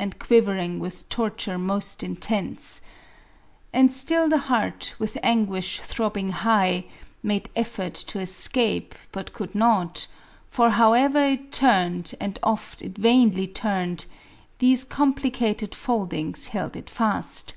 And quivering with torture most intense ; And still the heart, with anguish throbbing high, Made effort to etcape, but could not ; for Howe'er it turned, and oft it vainly turned, These complicated foldings held it fast.